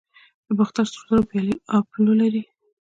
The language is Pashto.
د باختر سرو زرو پیالې اپولو لري